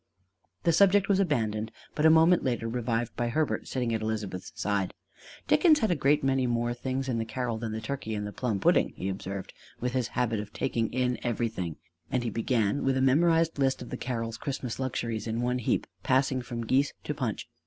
The subject was abandoned, but a moment later revived by Herbert, sitting at Elizabeth's side: "Dickens had a great many more things in the Carol than the turkey and the plum pudding," he observed, with his habit of taking in everything; and he began with a memorized list of the Carol's Christmas luxuries in one heap passing from geese to punch.